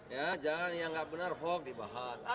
ya jangan yang tidak benar hukum dibahas